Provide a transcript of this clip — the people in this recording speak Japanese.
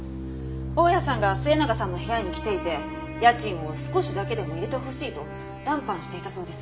大家さんが末永さんの部屋に来ていて家賃を少しだけでも入れてほしいと談判していたそうです。